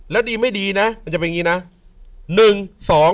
แล้วดีไม่ดีนะมันจะเป็นอย่างนี้นะ